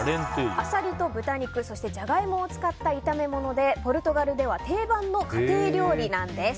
アサリと豚肉ジャガイモを使った炒め物でポルトガルでは定番の家庭料理なんです。